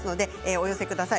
お寄せください。